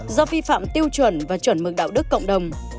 do vi phạm tiêu chuẩn và chuẩn mực đạo đức cộng đồng